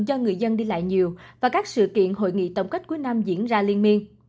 do người dân đi lại nhiều và các sự kiện hội nghị tổng cách quý nam diễn ra liên miên